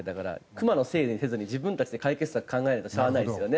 クマのせいにせずに自分たちで解決策考えないとしゃあないですよね。